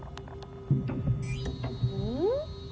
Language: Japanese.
うん？